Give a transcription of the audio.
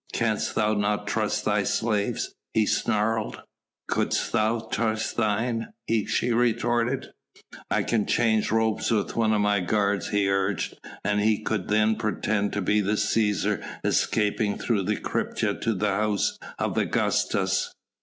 "Canst thou not trust thy slaves?" he snarled. "Couldst thou trust thine?" she retorted. "I can change robes with one of my guard," he urged, "and he could then pretend to be the Cæsar escaping through the crypta to the House of Augustus."